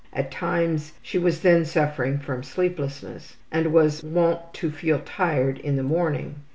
At times she was then suffering from sleeplessness, and was wont to feel tired in the morning.